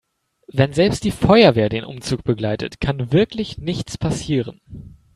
Wenn selbst die Feuerwehr den Umzug begleitet, kann wirklich nichts passieren.